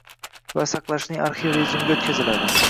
va saqlashning arxiv rejimiga o‘tkaziladi.